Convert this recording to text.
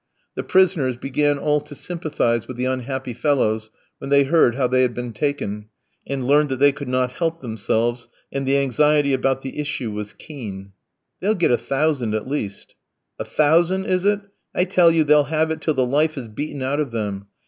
The prisoners began all to sympathise with the unhappy fellows when they heard how they had been taken, and learned that they could not help themselves, and the anxiety about the issue was keen. "They'll get a thousand at least." "A thousand, is it? I tell you they'll have it till the life is beaten out of them.